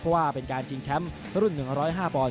เพราะว่าเป็นการชิงแชมป์รุ่น๑๐๕ปอนด